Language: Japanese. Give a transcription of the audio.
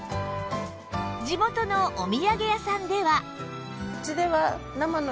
地元のお土産屋さんでは